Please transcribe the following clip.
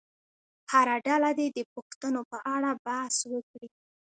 هره ډله دې د پوښتنو په اړه بحث وکړي.